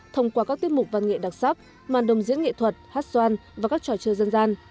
thông qua các tiết mục văn nghệ đặc sắc màn đồng diễn nghệ thuật hát xoan và các trò chơi dân gian